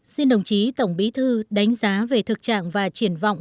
xin đồng chí tổng bí thư đánh giá về thực trạng và triển vọng